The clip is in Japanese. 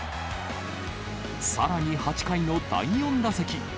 さらに８回の第４打席。